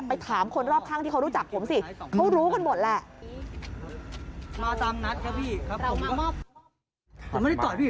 ไปถามคนรอบข้างที่เค้ารู้จักผมสิ